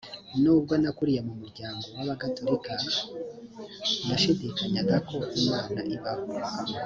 nubwo nakuriye mu muryango w ‘abagatolika, nashidikanyaga ko imana ibaho.